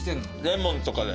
レモンとかで。